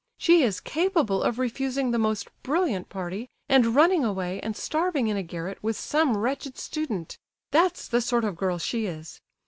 She is capable of refusing the most brilliant party, and running away and starving in a garret with some wretched student; that's the sort of girl she is.